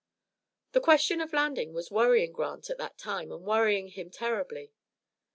The question of landing was worrying Grant at that time and worrying him terribly.